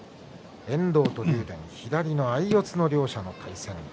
遠藤と竜電、左の相四つの両者の一番。